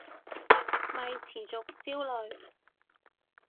咪持續焦慮